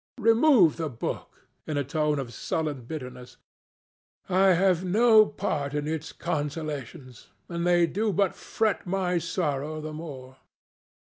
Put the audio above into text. Remove the book," he added, in a tone of sullen bitterness; "I have no part in its consolations, and they do but fret my sorrow the more."